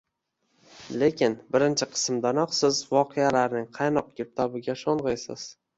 chunki birinchi qismdanoq siz voqealarning qaynoq girdobiga sho’ng’iysiz.